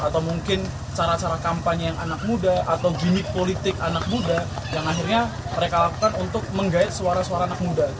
atau mungkin cara cara kampanye yang anak muda atau gimmick politik anak muda yang akhirnya mereka lakukan untuk menggait suara suara anak muda